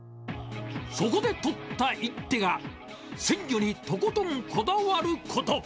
そこで取った一手が、鮮魚にとことんこだわること。